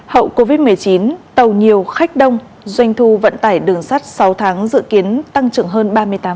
hậu covid một mươi chín tàu nhiều khách đông doanh thu vận tải đường sắt sáu tháng dự kiến tăng trưởng hơn ba mươi tám